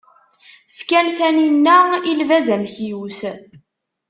Fkan taninna, i lbaz amekyus.